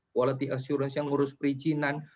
quality assurance nya ngurus perizinan